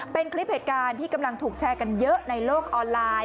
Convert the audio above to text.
เป็นคลิปเหตุการณ์ที่กำลังถูกแชร์กันเยอะในโลกออนไลน์